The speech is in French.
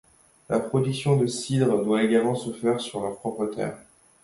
La production du cidre doit également se faire sur leurs propres terres.